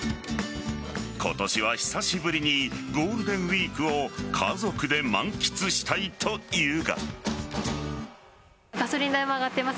今年は久しぶりにゴールデンウイークを家族で満喫したいと言うが。